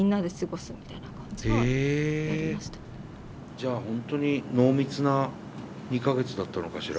じゃあ本当に濃密な２か月だったのかしら？